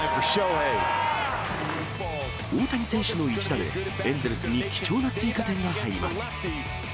大谷選手の一打で、エンゼルスに貴重な追加点が入ります。